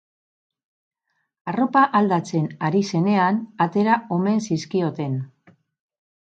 Arropa aldatzen ari zenean atera omen zizkioten.